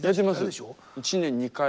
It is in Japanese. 一年２回。